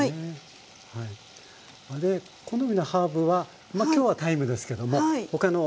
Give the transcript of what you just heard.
で好みのハーブはまあきょうはタイムですけども他の。